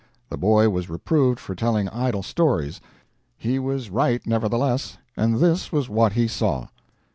The boy was reproved for telling idle stories; he was right, nevertheless, and this was what he saw.